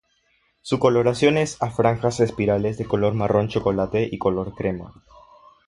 Su coloración es a franjas espirales de color marrón chocolate y color crema